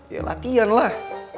ya latihan lah